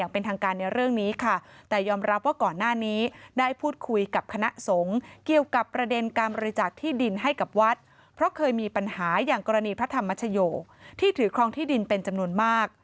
ปัญหาอย่างกรณีพระธรรมมัชโยที่ถือคลองที่ดินเป็นจำนวนมาก